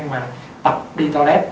mà tập đi toilet